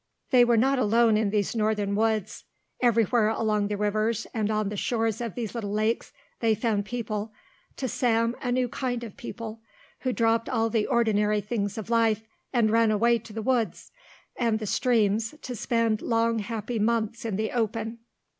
They were not alone in those northern woods. Everywhere along the rivers and on the shores of little lakes they found people, to Sam a new kind of people, who dropped all the ordinary things of life, and ran away to the woods and the streams to spend long happy months in the open.